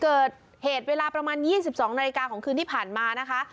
เกิดเหตุเวลาประมาณ๒๒นาฬิกาของคืนที่ผ่านมานะคะ